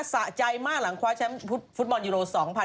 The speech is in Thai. สะใจมากหลังคว้าแชมป์ฟุตบอลยูโร๒๐๑๖